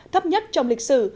thấp nhất trong lịch sử